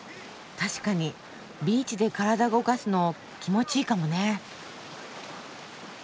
確かにビーチで体動かすの気持ちいいかもね。